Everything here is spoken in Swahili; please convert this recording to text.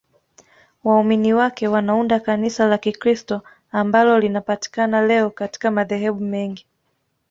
Waumini wake wanaunda Kanisa la Kikristo ambalo linapatikana leo katika madhehebu mengi.